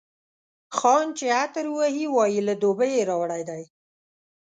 خان چي عطر ووهي، وايي له دوبۍ یې راوړی دی.